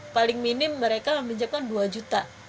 paling minim mereka meminjamkan dua juta